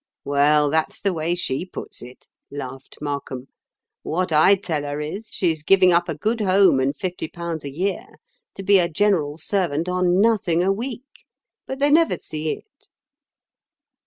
'Well, that's the way she puts it,' laughed Markham. 'What I tell her is, she's giving up a good home and fifty pounds a year, to be a general servant on nothing a week. But they never see it.